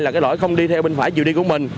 là cái lỗi không đi theo bên phải chiều đi của mình